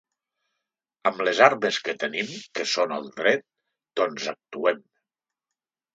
Amb les armes que tenim, que són el dret, doncs actuem.